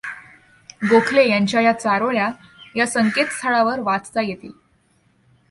गोखले यांच्या या चारोळ्या या संकेतस्थळावर वाचता येतील.